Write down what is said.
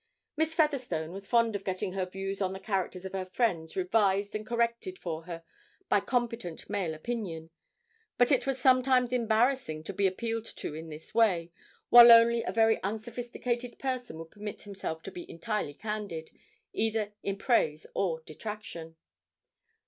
Miss Featherstone was fond of getting her views on the characters of her friends revised and corrected for her by competent male opinion, but it was sometimes embarrassing to be appealed to in this way, while only a very unsophisticated person would permit himself to be entirely candid, either in praise or detraction.